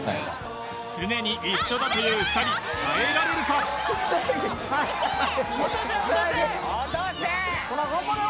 常に一緒だという２人耐えられるか草薙草薙ほら